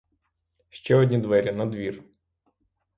Ще одні двері, надвір.